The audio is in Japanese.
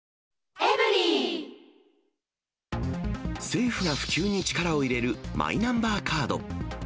政府が普及に力を入れるマイナンバーカード。